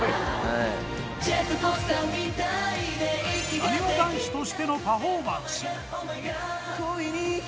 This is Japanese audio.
なにわ男子としてのパフォーマンス。